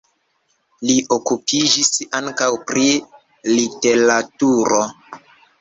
Li okupiĝis ankaŭ pri literaturo.